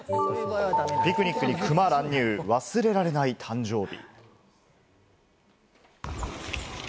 ピクニックにクマ乱入、忘れられない誕生日。